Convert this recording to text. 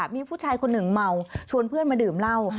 มีผู้ชายคนหนึ่งเมาชวนเพื่อนมาดื่มเหล้า